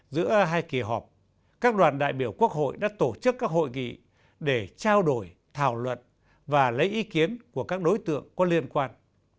giữa hai kỳ họp các đoàn đại biểu quốc hội đã tổ chức các hội nghị để trao đổi thảo luận và lấy ý kiến của các đối tượng có liên quan